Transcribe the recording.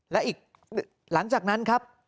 และอีกหลังจากนั้นครับ